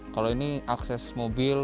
kalau ini akses mobil